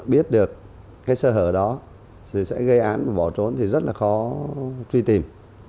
biết được cái sơ hở đó thì sẽ gây án và bỏ trốn thì rất là khó truy tìm